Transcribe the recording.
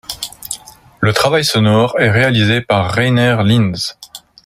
Le travail sonore est réalisé par Rainer Linz.